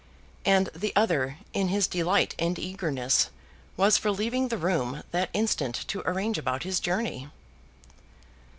And the other, in his delight and eagerness, was for leaving the room that instant to arrange about his journey.